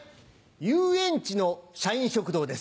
遊園地の社員食堂です。